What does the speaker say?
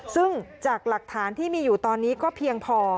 ซึ่งจากหลักฐานที่มีอยู่ตอนนี้ก็เพียงพอ